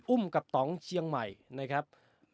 อุ้มกับต่องเชียงใหม่นะครับ